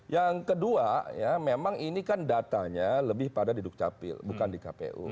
yang kedua ya memang ini kan datanya lebih pada di dukcapil bukan di kpu